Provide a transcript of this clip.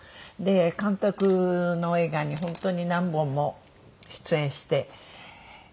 監督の映画に本当に何本も出演して。